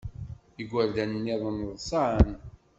Igerdan-nniḍen ḍsan.